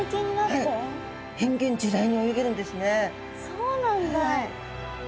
そうなんだ。